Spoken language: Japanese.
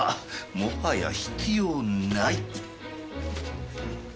もはや必要ない。